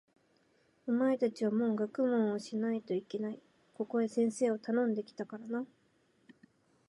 お前たちはもう学問をしないといけない。ここへ先生をたのんで来たからな。